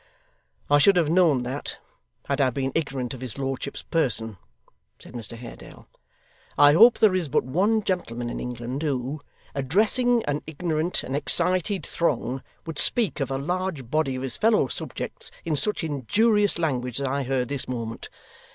'I should have known that, had I been ignorant of his lordship's person,' said Mr Haredale. 'I hope there is but one gentleman in England who, addressing an ignorant and excited throng, would speak of a large body of his fellow subjects in such injurious language as I heard this moment.